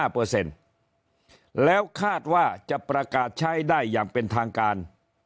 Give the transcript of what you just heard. ๑๐๑๕เปอร์เซ็นต์แล้วคาดว่าจะประกาศใช้ได้อย่างเป็นทางการ